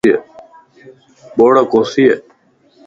ٻوڙَ ڪوسي ڪر